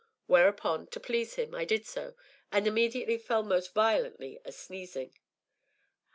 Whereupon, to please him, I did so, and immediately fell most violently a sneezing.